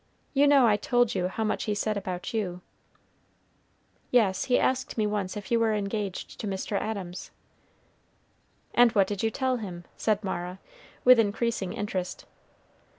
you know I told you how much he said about you." "Yes; he asked me once if you were engaged to Mr. Adams." "And what did you tell him?" said Mara, with increasing interest.